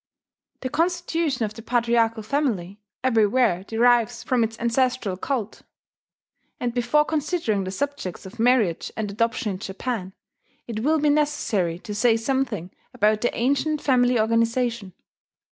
The constitution of the patriarchal family everywhere derives from its ancestral cult; and before considering the subjects of marriage and adoption in Japan, it will be necessary to say something about the ancient family organization.